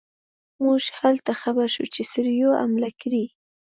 موږ هلته خبر شو چې سړیو حمله کړې.